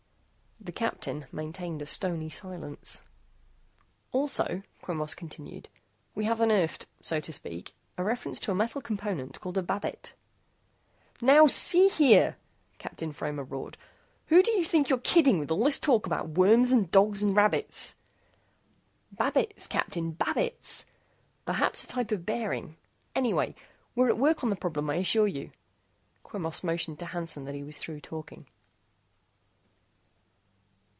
The captain maintained a stony silence. "Also," Quemos continued, "we have unearthed, so to speak, a reference to a metal component called a babbitt " "Now see here!" Captain Fromer roared, "who do you think you're kidding with this talk about worms, dogs and rabbits " "Babbitts, Captain, babbitts! Perhaps a type of bearing. Anyway, we're at work on the problem, I assure you." Quemos motioned to Hansen that he was through talking.